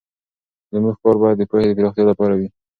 زموږ کار باید د پوهې د پراختیا لپاره وي.